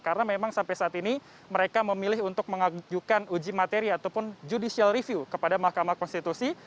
karena memang sampai saat ini mereka memilih untuk mengajukan uji materi ataupun judicial review kepada mahkamah konstitusi